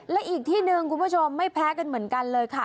และอีกที่หนึ่งคุณผู้ชมไม่แพ้กันเหมือนกันเลยค่ะ